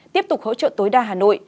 tiếp tục hỗ trợ tối đa hà nội